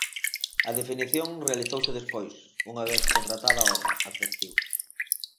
A definición realizouse despois, unha vez contratada a obra, advertiu.